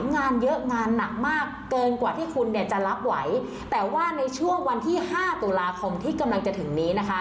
งานเยอะงานหนักมากเกินกว่าที่คุณเนี่ยจะรับไหวแต่ว่าในช่วงวันที่๕ตุลาคมที่กำลังจะถึงนี้นะคะ